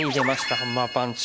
ハンマーパンチ。